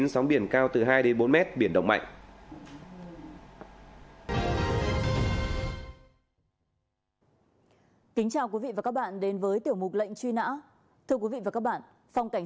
sóng biển cao từ hai m đến bốn m biển động mạnh